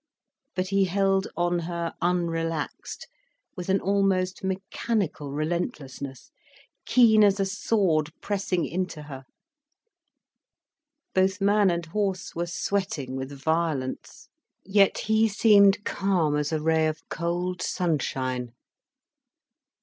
But he held on her unrelaxed, with an almost mechanical relentlessness, keen as a sword pressing in to her. Both man and horse were sweating with violence. Yet he seemed calm as a ray of cold sunshine.